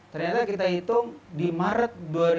ternyata kita hitung di maret dua ribu tiga belas